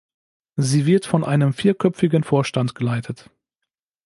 Sie wird von einem vierköpfigen Vorstand geleitet.